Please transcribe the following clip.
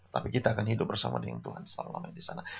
tapi kita akan hidup bersama dengan tuhan selama di sana